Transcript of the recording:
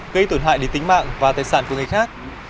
gây tổn hại đến tính mạng và tài sản của người khác